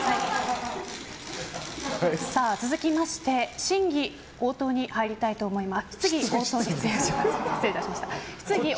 続きまして質疑応答に入りたいと思います。